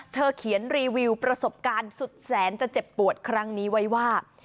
เขียนรีวิวประสบการณ์สุดแสนจะเจ็บปวดครั้งนี้ไว้ว่า